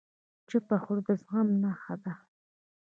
چپه خوله، د زغم نښه ده.